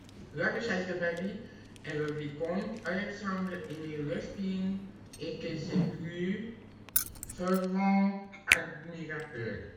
La duchesse de Berry et le vicomte Alexandre-Émile Lespine étaient ses plus fervents admirateurs.